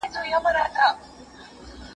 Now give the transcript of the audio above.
که امنیت وي د سیلانیانو راتګ به ډېر سي.